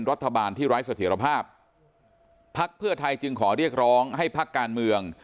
รัฐบาลที่ไร้เสถียรภาพพักเพื่อไทยจึงขอเรียกร้องให้พักการเมือง